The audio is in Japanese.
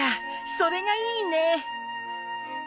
それがいいね。